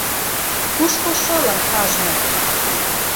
Кушко шылын кажне?